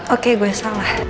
oke gue salah